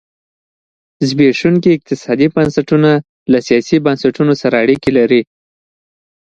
زبېښونکي اقتصادي بنسټونه له سیاسي بنسټونه سره اړیکه لري.